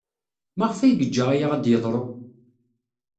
Maɣef ay yeǧǧa aya ad d-yeḍru?